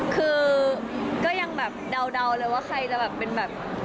คือก็ยังแบบเดาเลยว่าใครจะแบบเป็นแบบ